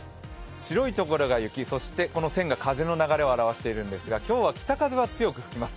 白いところが雪、そしてこの線が風の流れを表しているんですが今日は北風が強く吹きます。